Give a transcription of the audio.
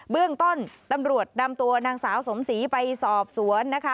เบื้องต้นตำรวจนำตัวนางสาวสมศรีไปสอบสวนนะคะ